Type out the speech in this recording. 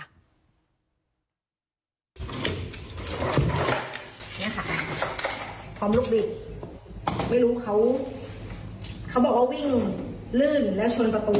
เนี่ยค่ะพร้อมลุกบิดไม่รู้เขาเขาบอกว่าวิ่งลื่นแล้วชนประตู